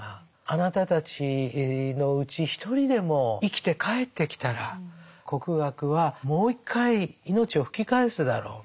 あなたたちのうち一人でも生きて帰ってきたら国学はもう一回命を吹き返すだろう」。